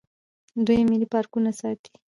دوی ملي پارکونه ساتي.